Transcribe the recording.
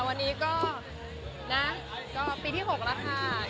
วันนี้ก็นะก็ปีที่๖แล้วค่ะ